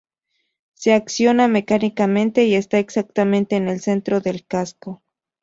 Se acciona mecánicamente y está exactamente en el centro del casco.